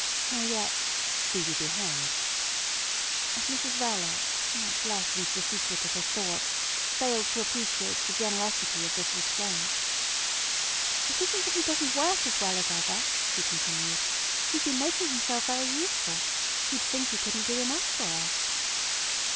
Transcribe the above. nor yet "Stevie be hanged!" And Mrs Verloc, not let into the secret of his thoughts, failed to appreciate the generosity of this restraint. "It isn't that he doesn't work as well as ever," she continued. "He's been making himself very useful. You'd think he couldn't do enough for us."